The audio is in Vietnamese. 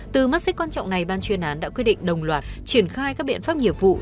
từ mắt xích quan trọng này ban chuyên án đã quyết định đồng loạt triển khai các biện pháp nghiệp vụ